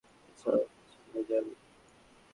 পেছাও, পেছনে যাও।